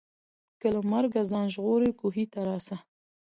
که له مرګه ځان ژغورې کوهي ته راسه